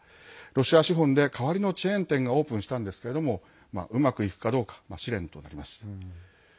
ロシア資本で代わりのチェーン店がオープンしたんですけれどもうまくいくかどうか試練となります。